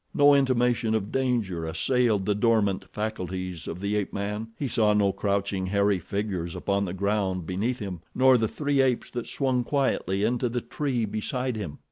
No intimation of danger assailed the dormant faculties of the ape man—he saw no crouching hairy figures upon the ground beneath him nor the three apes that swung quietly into the tree beside him.